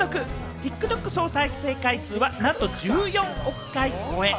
ＴｉｋＴｏｋ総再生回数は、なんと１４億回超え。